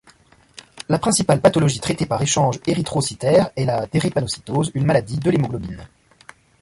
La principale pathologie traitée par échange érythrocytaire est la drépanocytose, une maladie de l'hémoglobine.